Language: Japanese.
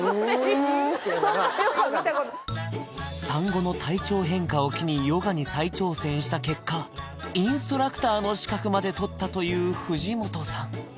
「うん」っていうのが産後の体調変化を機にヨガに再挑戦した結果インストラクターの資格まで取ったという藤本さん